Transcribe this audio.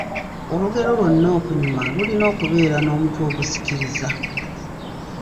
Olugero lwonna okunyuma lulina okuba n'omutwe ogusikiriza.